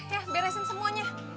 ya beresin semuanya